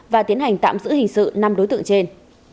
và tiến hành tạm giữ hình sự năm đối tượng trên